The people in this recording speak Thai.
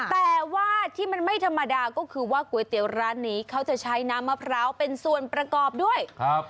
แต่ว่าที่มันไม่ธรรมดาก็คือว่าก๋วยเตี๋ยวร้านนี้เขาจะใช้น้ำมะพร้าวเป็นส่วนประกอบด้วยครับ